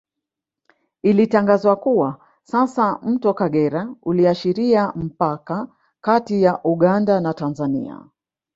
Ilitangaza kuwa sasa Mto Kagera uliashiria mpaka kati ya Uganda na Tanzania